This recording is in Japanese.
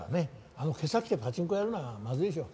あの袈裟着てパチンコやるのはまずいでしょう。